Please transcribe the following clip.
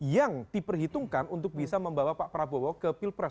yang diperhitungkan untuk bisa membawa pak prabowo ke pilpres dua ribu dua puluh empat